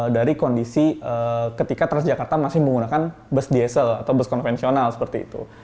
dari kondisi ketika transjakarta masih menggunakan bus diesel atau bus konvensional seperti itu